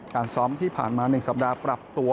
การซ้อมที่ผ่านมา๑สัปดาห์ปรับตัว